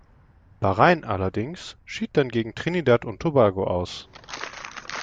Bahrain, allerdings, schied dann gegen Trinidad und Tobago aus.